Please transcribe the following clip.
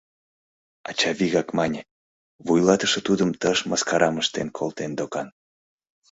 Ача вигак мане: вуйлатыше тудым тыш мыскарам ыштен колтен докан.